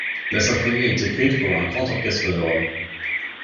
La symphonie est écrite pour un grand orchestre de Rome.